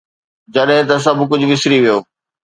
جڏهن ته سڀ ڪجهه وسري ويو.